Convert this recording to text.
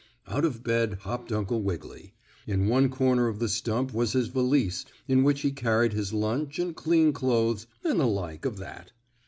Out of bed hopped Uncle Wiggily. In one corner of the stump was his valise in which he carried his lunch and clean clothes and the like of that.